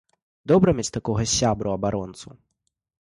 Добра мець такога сябру-абаронцу!